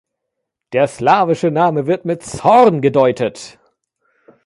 Der slawische Name wird mit „Zorn“ gedeutet.